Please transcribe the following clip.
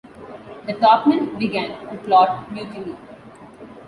The topmen began to plot mutiny.